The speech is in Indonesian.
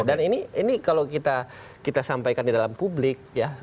dan ini kalau kita sampaikan di dalam publik ya